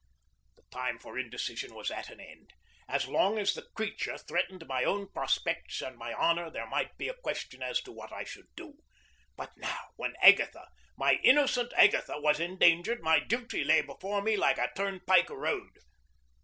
The time for indecision was at an end. As long as the creature threatened my own prospects and my honor there might be a question as to what I should do. But now, when Agatha my innocent Agatha was endangered, my duty lay before me like a turnpike road.